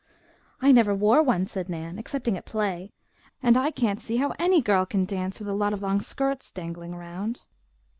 "I never wore one," said Nan, "excepting at play, and I can't see how any girl can dance with a lot of long skirts dangling around."